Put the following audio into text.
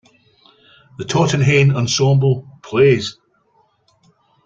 The Tautenhayn ensemble plays!